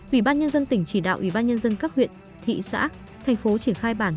ủy ban nhân dân tỉnh chỉ đạo ủy ban nhân dân các huyện thị xã thành phố triển khai bản